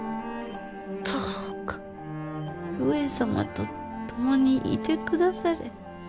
どうか上様と共にいて下され。